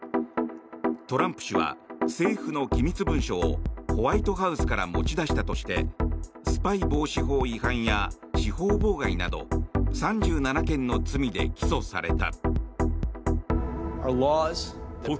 トランプ氏は政府の機密文書をホワイトハウスから持ち出したとしてスパイ防止法違反や司法妨害など３７件の罪で起訴された。